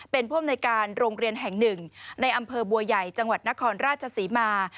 เป็นผู้อำนวยการโรงเรียนแห่งหนึ่งในอำเภอบัวใหญ่จังหวัดนครราชศรีมา